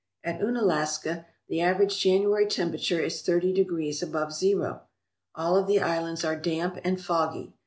At Unalaska the average January temperature is thirty degrees above zero. All of the islands are damp and foggy.